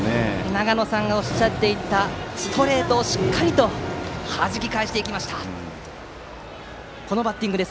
長野さんがおっしゃっていたストレートをしっかりとはじき返していきました。